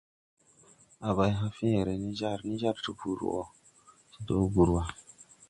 A bay hãã fẽẽre ne jar ni jar Tpur wo de do gur wa.